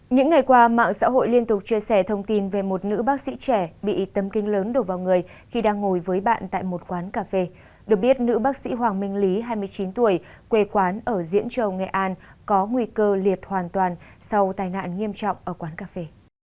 những ngày qua mạng xã hội liên tục chia sẻ thông tin về một nữ bác sĩ trẻ bị tấm kinh lớn đổ vào người khi đang ngồi với bạn tại một quán cà phê được biết nữ bác sĩ hoàng minh lý hai mươi chín tuổi quê quán ở diễn châu nghệ an có nguy cơ liệt hoàn toàn sau tai nạn nghiêm trọng ở quán cà phê